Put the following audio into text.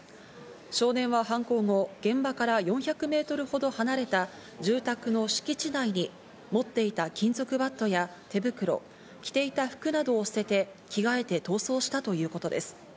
少年は犯行後、現場から４００メートルほど離れた住宅の敷地内に持っていた金属バットや手袋を着ていた服などを捨てて、着替えて逃走したということです。